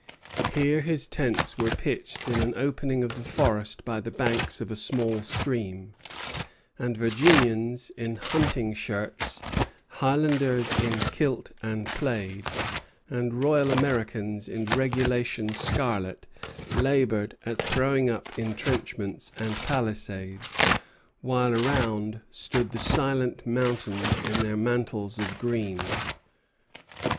Here his tents were pitched in an opening of the forest by the banks of a small stream; and Virginians in hunting shirts, Highlanders in kilt and plaid, and Royal Americans in regulation scarlet, labored at throwing up intrenchments and palisades, while around stood the silent mountains in their mantles of green.